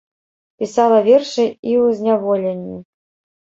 Пісала вершы і ў зняволенні.